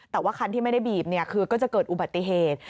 แต่ว่าคันที่ไม่ได้บีบคือก็จะเกิดอุบัติเหตุ